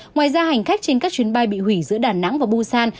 ngoài ra hành khách trên các chuyến bay bị hủy giữa đà nẵng và busan